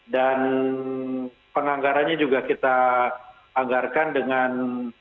dan penganggarannya juga kita anggarkan dengan